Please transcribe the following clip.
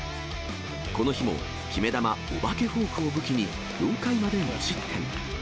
この日も決め球、お化けフォークを武器に、４回まで無失点。